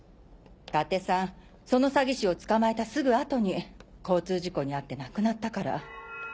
伊達さんその詐欺師を捕まえたすぐ後に交通事故に遭って亡くなったから。